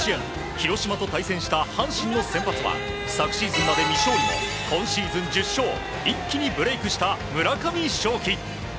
広島と対戦した阪神の先発は昨シーズンまで未勝利も今シーズン１０勝一気にブレークした村上頌樹。